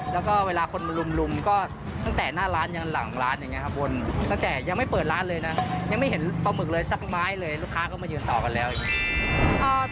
แล้วก็เวลาคนมาลุมก็ตั้งแต่หน้าร้านยังหลังร้านอย่างนี้ครับวนตั้งแต่ยังไม่เปิดร้านเลยนะยังไม่เห็นปลาหมึกเลยสักไม้เลยลูกค้าก็มายืนต่อกันแล้ว